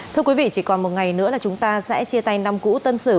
thưa quý vị chỉ còn một ngày nữa là chúng ta sẽ chia tay năm cũ tân sửu